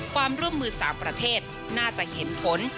ความร่วมมือ๓ประเทศน่าจะเห็นผล